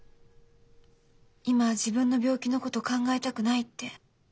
今は自分の病気のこと考えたくないって。